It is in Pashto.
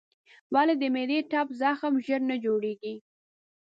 ولې د معدې ټپ زخم ژر نه جوړېږي؟